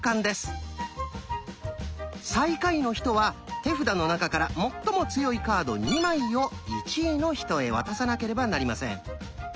最下位の人は手札の中から最も強いカード２枚を１位の人へ渡さなければなりません。